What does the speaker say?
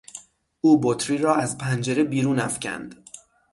او بطری را از پنجره بیرون افکند.